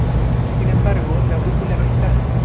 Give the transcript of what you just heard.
Sin embargo, la brújula no está.